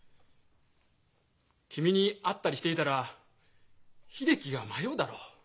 君に会ったりしていたら秀樹が迷うだろ。